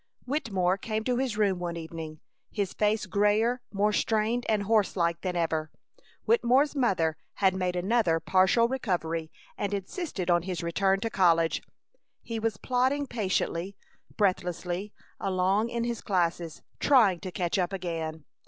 Wittemore came to his room one evening, his face grayer, more strained and horse like than ever. Wittemore's mother had made another partial recovery and insisted on his return to college. He was plodding patiently, breathlessly along in his classes, trying to catch up again.